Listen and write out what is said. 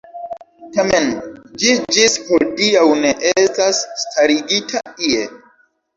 Tamen ĝi ĝis hodiaŭ ne estas starigita ie.